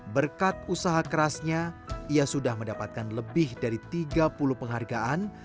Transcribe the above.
sehingga akhirnya ia sudah mendapatkan lebih dari tiga puluh penghargaan